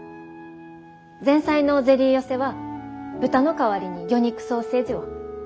前菜のゼリー寄せは豚の代わりに魚肉ソーセージを。